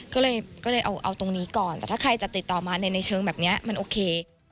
ก็เลยเอาตรงนี้ก่อนแต่ถ้าใครจะติดต่อมาในเชิงแบบนี้มันโอเค